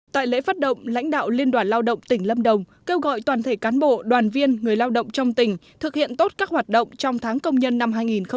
tại lễ phát động lãnh đạo liên đoàn lao động tỉnh lâm đồng kêu gọi toàn thể cán bộ đoàn viên người lao động trong tỉnh thực hiện tốt các hoạt động trong tháng công nhân năm hai nghìn hai mươi